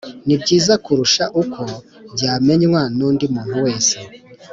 Nibyiza kurusha uko byamenywa nundi muntu wese